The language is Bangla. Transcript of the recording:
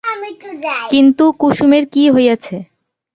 কিন্তু কুসুমের কী হইয়াছে?